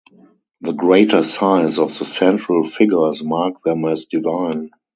The greater size of the central figures mark them as divine.